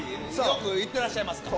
よく行ってらっしゃいますか。